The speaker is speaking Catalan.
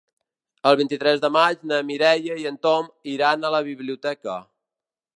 El vint-i-tres de maig na Mireia i en Tom iran a la biblioteca.